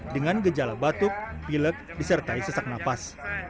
dengan gejala batuk pilek disertai sesak nafas